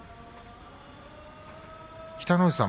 北の富士さん